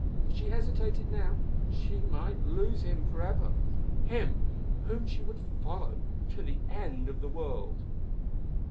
If she hesitated now she might lose him for ever—him whom she would follow to the end of the world.